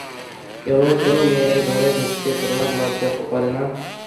এভাবে কোনো মেয়ের ঘরে ঢুকতে, তোমার লজ্জা করেনা?